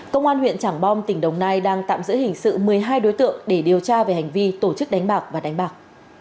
công an huyện trảng bom tỉnh đồng nai đang tạm giữ hình sự một mươi hai đối tượng để điều tra về hành vi tổ chức đánh bạc và đánh bạc